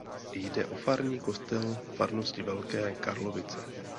Jde o farní kostel farnosti Velké Karlovice.